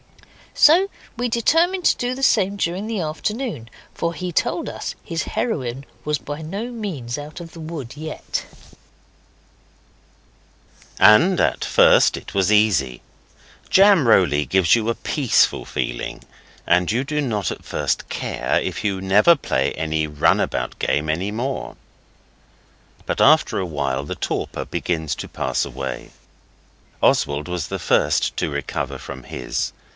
So we determined to do the same during the afternoon, for he told us his heroine was by no means out of the wood yet. And at first it was easy. Jam roly gives you a peaceful feeling and you do not at first care if you never play any runabout game ever any more. But after a while the torpor begins to pass away. Oswald was the first to recover from his.